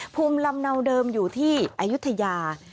ภูมิลำเนาเดิมอยู่ที่อายุทยา